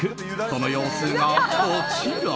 その様子がこちら。